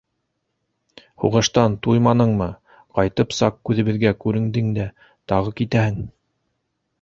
Һуғыштан туйманыңмы, ҡайтып саҡ күҙебеҙгә күрендең дә, тағы китәһең!